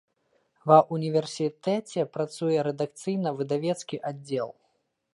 Ва ўніверсітэце працуе рэдакцыйна-выдавецкі аддзел.